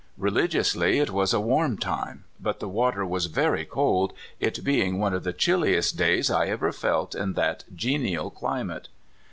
Reli giously, it was a warm time ; but the water was very cold, it being one of the chilliest days I ever felt in that genial climate.